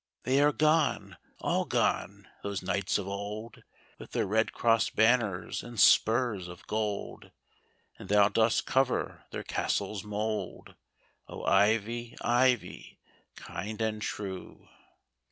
They are gone, all gone, those knights of old. With their red cross banners and spurs of gold. And thou dost cover their castle's mould, O, Ivy, Ivy, kind and true!